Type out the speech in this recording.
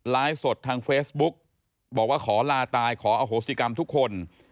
สดทางเฟซบุ๊กบอกว่าขอลาตายขออโหสิกรรมทุกคน